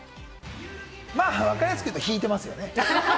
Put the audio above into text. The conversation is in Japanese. わかりやすく言うと、引いてますよね。